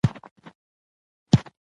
موږ هغه وخت ماشومان وو.